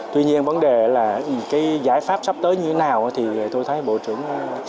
tuy nhiên vấn đề là cái giải pháp sắp tới như thế nào thì tôi thấy bộ trưởng